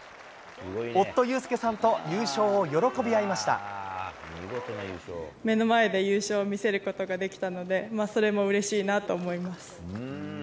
夫、目の前で優勝を見せることができたので、それもうれしいなと思います。